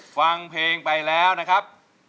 ฟังเพลงไปแล้วนะครับ